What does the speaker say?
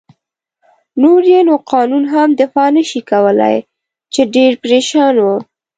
نور يې نو قانون هم دفاع نه شي کولای، چې ډېر پرېشان و.